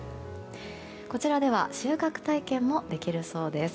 こちらでは収穫体験もできるそうです。